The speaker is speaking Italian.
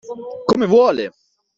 Come vuole!